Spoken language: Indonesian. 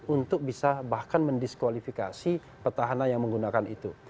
untuk bisa bahkan mendiskualifikasi petahana yang menggunakan itu